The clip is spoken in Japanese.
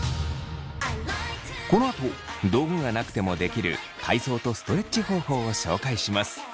このあと道具がなくてもできる体操とストレッチ方法を紹介します。